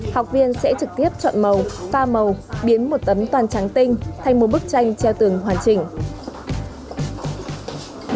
học viên sẽ trực tiếp chọn màu pha màu biến một tấm toàn trắng tinh thành một bức tranh treo tường hoàn chỉnh